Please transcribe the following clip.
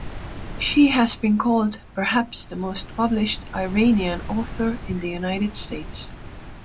She has been called "perhaps the most published Iranian author in the United States".